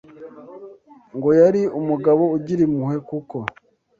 ngo yari umugabo ugira impuhwe kuko